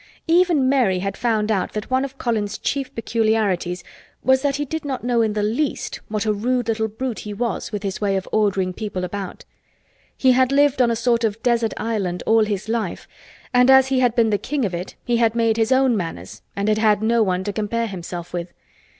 Even Mary had found out that one of Colin's chief peculiarities was that he did not know in the least what a rude little brute he was with his way of ordering people about. He had lived on a sort of desert island all his life and as he had been the king of it he had made his own manners and had had no one to compare himself with.